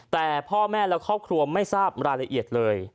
แต่พ่อแม่และครอบครัวไม่ทราบรายละเอียดเลย